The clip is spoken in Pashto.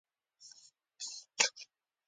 عملیات تنظیم کړي.